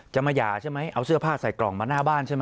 จะมาหย่าใช่ไหมเอาเสื้อผ้าใส่กล่องมาหน้าบ้านใช่ไหม